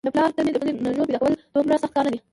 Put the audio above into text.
پلار ته مې د بلې نږور پيداکول دومره سخت کار نه دی.